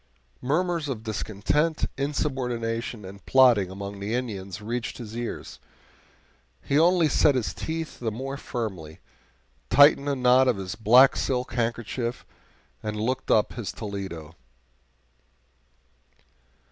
Murmurs of discontent, insubordination, and plotting among the Indians reached his ears; he only set his teeth the more firmly, tightened the knot of his black silk handkerchief, and looked up his Toledo.